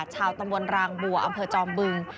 ชาวตำบลรางบัวอำเภอจอมบึง